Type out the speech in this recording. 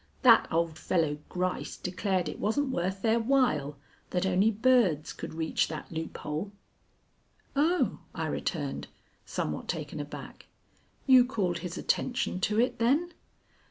That old fellow Gryce declared it wasn't worth their while; that only birds could reach that loophole." "Oh," I returned, somewhat taken aback; "you called his attention to it, then?"